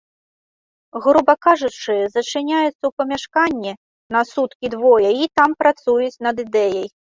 Груба кажучы, зачыняюцца ў памяшканні на суткі-двое і там працуюць над ідэяй.